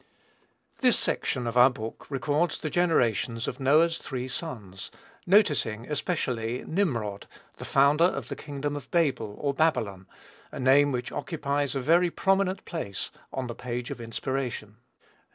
This section of our book records the generations of Noah's three sons, noticing, especially, Nimrod, the founder of the kingdom of Babel, or Babylon, a name which occupies a very prominent place on the page of inspiration.